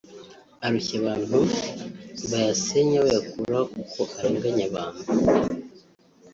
arushya abantu bayasenya bayakuraho kuko arenganya abantu